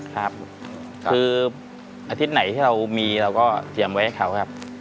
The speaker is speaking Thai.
ครับคืออาทิตย์ไหนที่เรามีเราก็เตรียมไว้ให้เขาครับ